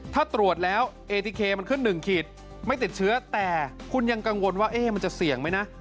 ถ้าตรวจแล้วเอทีเคมันขึ้น๑ขีดไม่ติดเชื้อแต่คุณยังกังวลว่ามันจะเสี่ยงไหมนะ